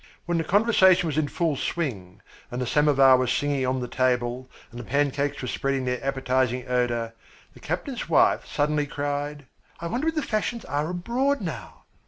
When the conversation was in full swing, and the samovar was singing on the table, and the pancakes were spreading their appetising odour, the captain's wife suddenly cried: "I wonder what the fashions are abroad now.